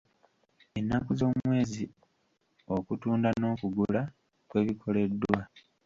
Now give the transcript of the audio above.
Ennaku z’omwezi okutunda n’okugula kwe bikoleddwa.